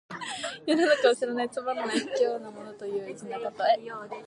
世の中を知らないつまらぬ卑小な者という意味の例え。